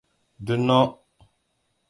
Dunno.